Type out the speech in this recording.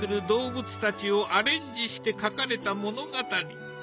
動物たちをアレンジして描かれた物語。